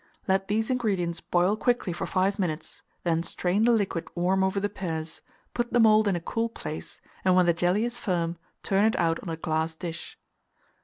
Let these ingredients boil quickly for 5 minutes, then strain the liquid warm over the pears; put the mould in a cool place, and when the jelly is firm, turn it out on a glass dish.